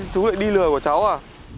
chú lại đi lừa của cháu à